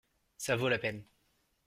Ça vaut la peine.